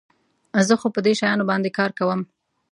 زه خو په دې شیانو باندي کار کوم.